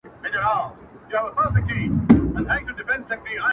له نسل څخه نسل ته انتقالېږي